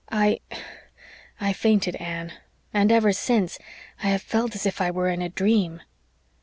I I fainted, Anne. And ever since I have felt as if I were in a dream."